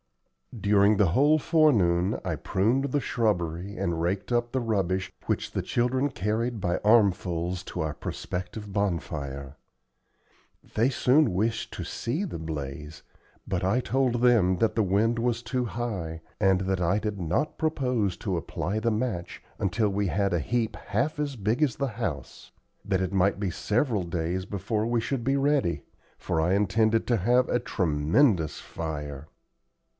During the whole forenoon I pruned the shrubbery, and raked up the rubbish which the children carried by armfuls to our prospective bonfire. They soon wished to see the blaze, but I told them that the wind was too high, and that I did not propose to apply the match until we had a heap half as big as the house; that it might be several days before we should be ready, for I intended to have a tremendous fire.